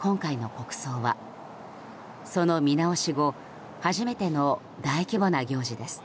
今回の国葬はその見直し後初めての大規模な行事です。